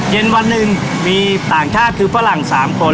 เย็นวันหนึ่งมีต่างชาติคือฝรั่ง๓คน